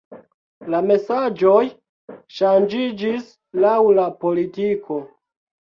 La mesaĝoj ŝanĝiĝis laŭ la politiko.